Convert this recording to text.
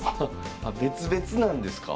あ別々なんですか。